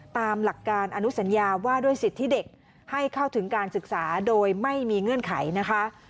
ตามหลักการอนุสัญญาว่าด้วยสิทธิเด็กให้เข้าถึงการศึกษาโดยไม่มีเงื่อนไขนะคะ